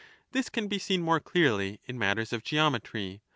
This can be seen more clearly in matters of geometry.